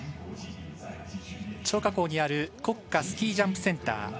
張家口にある国家スキージャンプセンター。